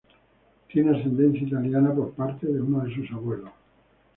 Tiene ascendencia italiana por parte de uno de sus abuelos.